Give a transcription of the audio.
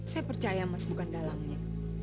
saya percaya mas bukan dalamnya